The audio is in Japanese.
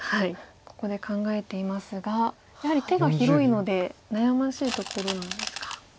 ここで考えていますがやはり手が広いので悩ましいところなんですか。